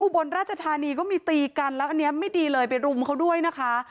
บนราชธานีก็มีตีกันแล้วอันนี้ไม่ดีเลยไปรุมเขาด้วยนะคะ